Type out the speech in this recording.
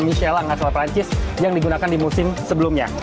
menggantikan peran michelang asal perancis yang digunakan di musim sebelumnya